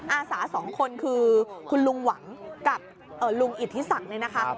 อาสาสองคนคือคุณลุงหวังกับลุงอิทธิศักดิ์เนี่ยนะคะ